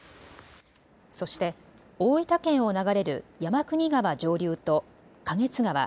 そして大分県を流れる山国川上流と花月川